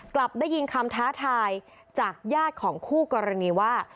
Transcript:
กลับได้ยินคำท้าทายจากญาติของคู่กรณีว่า